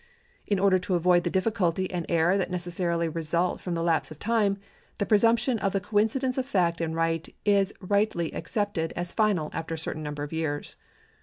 In order to avoid the difficult}' and error that necessarily result from the lapse of time, the presumption of the coincidence of fact and right is rightly accepted as final after a certain number of years.